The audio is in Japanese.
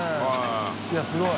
いやすごい。